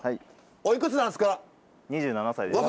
おいくつなんですか？